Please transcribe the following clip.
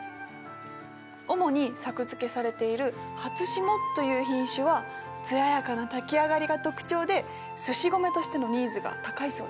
主に作付けされているハツシモという品種は艶やかな炊き上がりが特徴ですし米としてのニーズが高いそうです。